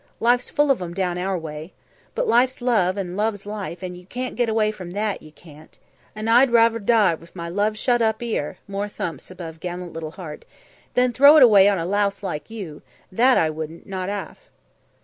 Life's full of 'em down our way. But life's love, and love's life, and you can't get away from that, that yer can't. And I'd raver die wiv my love shut up 'ere" more thumps above gallant little heart "than throw it away on a louse like you, that I would, not 'arf!"